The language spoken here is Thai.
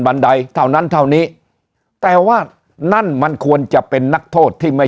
ใดเท่านั้นเท่านี้แต่ว่านั่นมันควรจะเป็นนักโทษที่ไม่